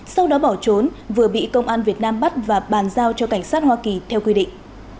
sau đó bỏ trốn vừa bị công an việt nam bắt và bàn giao cho cảnh sát hoa kỳ theo quy định